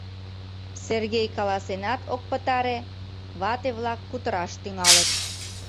— Сергей каласенат ок пытаре, вате-влак кутыраш тӱҥалыт: